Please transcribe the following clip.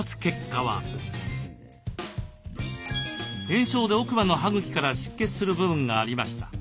炎症で奥歯の歯茎から出血する部分がありました。